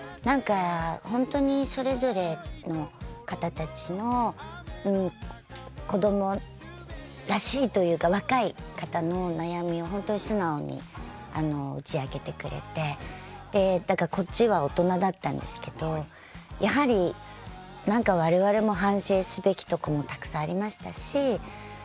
本当にそれぞれの方たちの子どもらしいというか若い方の悩みを本当に素直に打ち明けてくれてこっちは大人だったんですけどやはり、なんかわれわれも反省すべきとこもたくさんありましたし